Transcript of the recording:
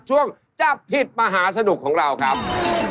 ช่วงจับผิดมหาสนุกของเราครับ